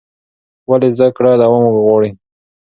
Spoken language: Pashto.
ولې زده کړه دوام غواړي؟